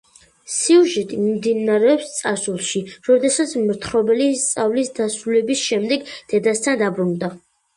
სიუჟეტი მიმდინარეობს წარსულში, როდესაც მთხრობელი სწავლის დასრულების შემდეგ დედასთან დაბრუნდა.